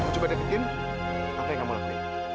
coba deketin apa yang kamu lakuin